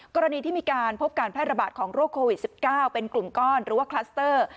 กรณีที่มีการพบการแพร่ระบาดของโรคโควิด๑๙เป็นกลุ่มก้อนหรือว่าคลัสเตอร์